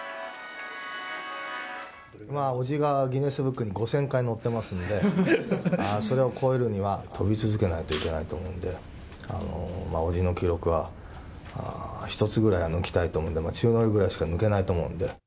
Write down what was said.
伯父がギネスブックに５０００回載ってますんで、それを超えるには、飛び続けないといけないと思うんで、伯父の記録は一つぐらいは抜きたいと思うんで、宙乗りぐらいしか抜けないと思うんで。